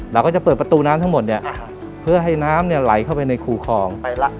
เราก็จะเปิดประตูน้ำทั้งหมดเนี่ยเพื่อให้น้ำเนี่ยไหลเข้าไปในคู่คลอง